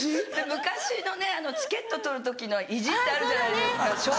昔のチケット取る時の意地ってあるじゃないですか。